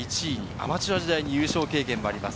アマチュア時代に優勝経験があります。